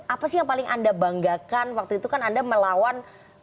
apa sih yang paling anda banggakan waktu itu kan anda melawan